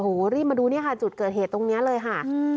โอ้โหรีบมาดูเนี่ยค่ะจุดเกิดเหตุตรงนี้เลยค่ะ